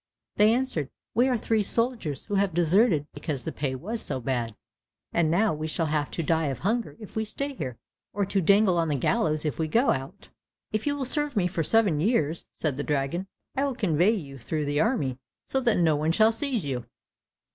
They answered, "We are three soldiers who have deserted because the pay was so bad, and now we shall have to die of hunger if we stay here, or to dangle on the gallows if we go out." "If you will serve me for seven years," said the dragon, "I will convey you through the army so that no one shall seize you."